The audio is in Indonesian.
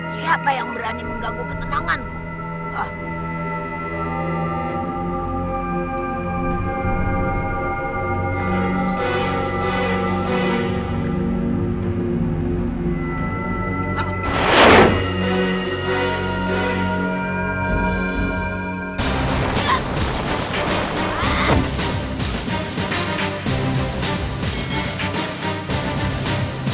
siapa yang berani menggaguh ketenanganku